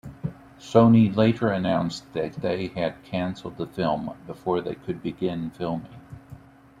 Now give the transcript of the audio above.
Sony later announced that they had cancelled the film before they could begin filming.